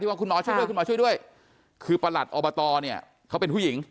ว่าคุณหมอช่วยด้วยคุณหมอช่วยด้วยคือประหลัดอบตเนี่ยเขาเป็นผู้หญิง